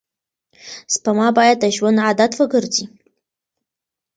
سپما باید د ژوند عادت وګرځي.